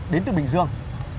đến từ bình dương